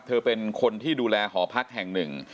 เธอเป็นคนที่ดูแลหอพักแห่งหนึ่ง